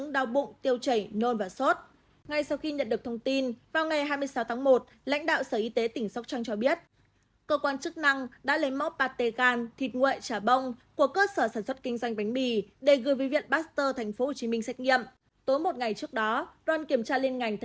tối một ngày trước đó đoàn kiểm tra liên ngành tp sóc trăng đã kiểm tra đột xuất cơ sở sản xuất